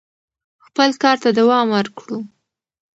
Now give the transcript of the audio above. خپل کار ته دوام ورکړو.